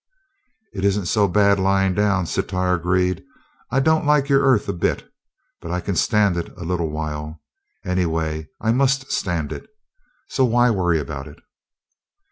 "It isn't so bad lying down." Sitar agreed. "I don't like your Earth a bit, but I can stand it a little while. Anyway, I must stand it, so why worry about it?"